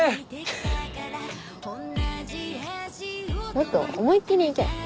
もっと思いっ切り行け。